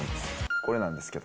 これなんですけど。